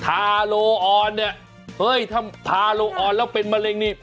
ทาโลออนเนี่ยเฮ้ยถ้าทาโลออนแล้วเป็นมะเร็งนี่